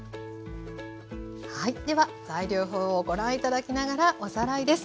はいでは材料表をご覧頂きながらおさらいです。